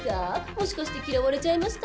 もしかして嫌われちゃいました？